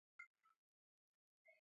کەس پێ نازانێت.